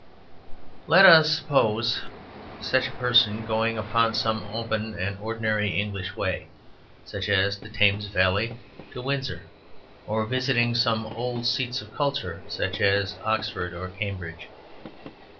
Let us suppose such a person going upon some open and ordinary English way, such as the Thames valley to Windsor, or visiting some old seats of culture, such as Oxford or Cambridge.